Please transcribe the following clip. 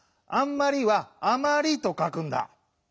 「あんまり」は「あまり」とかくんだ。